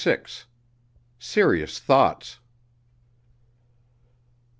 SERIOUS THOUGHTS.